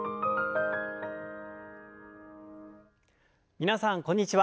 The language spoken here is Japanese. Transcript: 皆さんこんにちは。